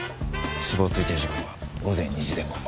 死亡推定時刻は午前２時前後。